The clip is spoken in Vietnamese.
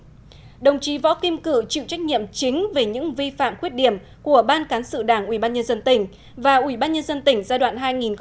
thứ ba đồng chí võ kim cự chịu trách nhiệm chính về những vi phạm khuyết điểm của ban cán sự đảng ubnd tỉnh và ubnd tỉnh giai đoạn hai nghìn tám hai nghìn một mươi sáu